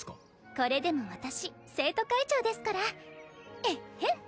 これでも私生徒会長ですからエッヘン！